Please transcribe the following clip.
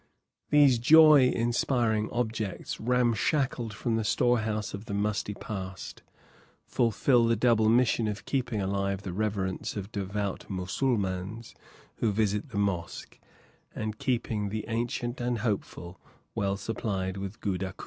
These joy inspiring objects, ramshackled from the storehouse of the musty past, fulfil the double mission of keeping alive the reverence of devout Mussulmans who visit the mosque, and keeping the Ancient and Hopeful well supplied with goodakoo.